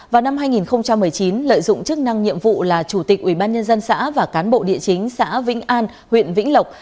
vào năm hai nghìn một mươi chín lợi dụng chức năng nhiệm vụ là chủ tịch ubnd xã và cán bộ địa chính xã vĩnh an huyện vĩnh lộc